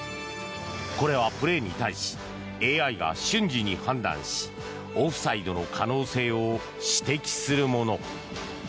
これはプレーに対しＡＩが瞬時に判断しオフサイドの可能性を指摘するもの。